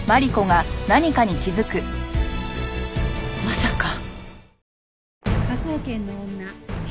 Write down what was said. まさか。